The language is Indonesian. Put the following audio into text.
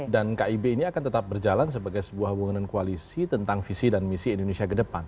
dan kib ini akan tetap berjalan sebagai sebuah hubungan koalisi tentang visi dan misi indonesia